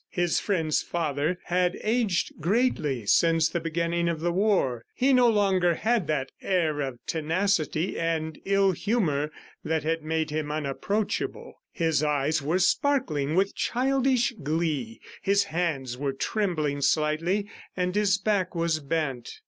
His friend's father had aged greatly since the beginning of the war. He no longer had that air of tenacity and ill humor that had made him unapproachable. His eyes were sparkling with childish glee; his hands were trembling slightly, and his back was bent.